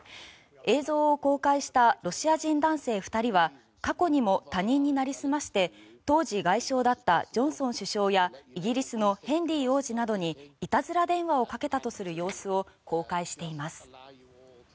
映像を公開したロシア人男性２人は過去にも他人になりすまして当時、外相だったジョンソン首相やイギリスのヘンリー王子などにいたずら電話をかけたとする様子を公開しています。